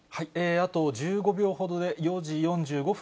あと１５秒ほどで４時４５分、